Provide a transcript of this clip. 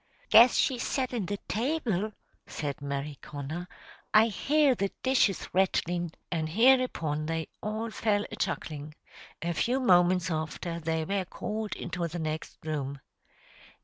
"Guess she's settin' the table," said Mary Connor: "I hear the dishes rattlin';" and hereupon they all fell a chuckling. A few moments after, they were called into the next room.